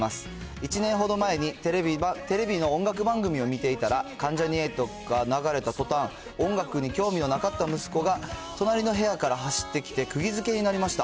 １年ほど前に、テレビの音楽番組を見ていたら、関ジャニ∞が流れたとたん、音楽に興味のなかった息子が、隣の部屋から走ってきて、くぎ付けになりました。